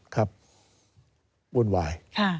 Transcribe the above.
ครับวุ่นวาย